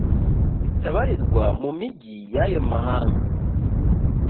itabarirwa mu migi y’ayo mahanga.